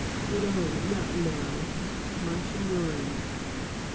But oh, not now! "MARCIA LAWRENCE."